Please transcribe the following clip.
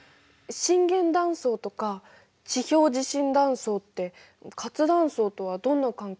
震源断層とか地表地震断層って活断層とはどんな関係があるの？